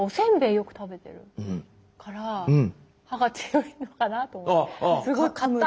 よく食べてるから歯が強いのかなと思って。